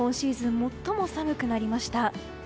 最も寒くなりました。